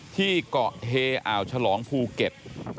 ที่เกาะเฮอ่าวฉลองภูเก็ต